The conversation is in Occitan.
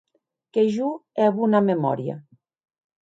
Que jo è bona memòria.